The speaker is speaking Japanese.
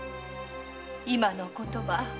今のお言葉